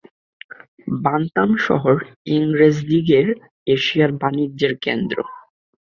বান্তাম শহর ইংরেজদিগের এশিয়ার বাণিজ্যের কেন্দ্র।